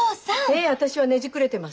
ええ私はねじくれてます。